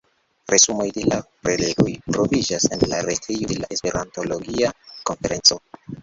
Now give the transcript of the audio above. Resumoj de la prelegoj troviĝas en la retejo de la Esperantologia konferenco.